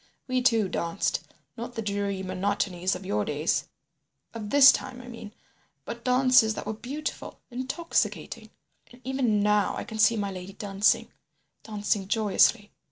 We two danced, not the dreary monotonies of your days—of this time, I mean—but dances that were beautiful, intoxicating. And even now I can see my lady dancing—dancing joyously.